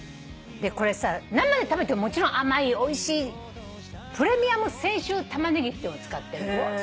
これさ生で食べてももちろん甘いおいしいプレミアム泉州たまねぎっての使ってる。